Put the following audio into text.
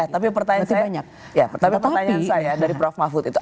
tapi pertanyaan saya dari prof mahfud itu